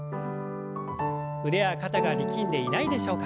腕や肩が力んでいないでしょうか？